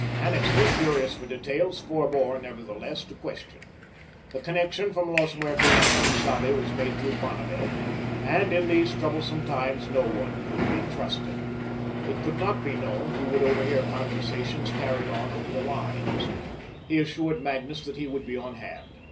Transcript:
Annixter, curious for details, forbore, nevertheless, to question. The connection from Los Muertos to Quien Sabe was made through Bonneville, and in those troublesome times no one could be trusted. It could not be known who would overhear conversations carried on over the lines. He assured Magnus that he would be on hand.